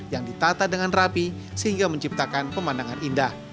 yang ditata dengan rapi sehingga menciptakan pemandangan indah